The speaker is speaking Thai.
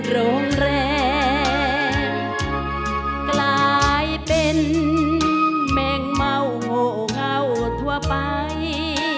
โรงแรมกลายเป็นแมงเม่าโง่เงาทั่วไป